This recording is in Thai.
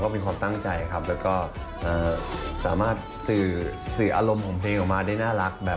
เป็นความตั้งใจครับแล้วก็สามารถสื่ออารมณ์ของเพลงออกมาได้น่ารัก